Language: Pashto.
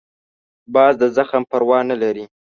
باز د زخم پروا نه لري